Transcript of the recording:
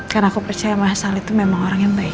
karena aku percaya mas ali tuh memang orang yang baik